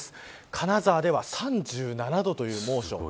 金沢では３７度という猛暑。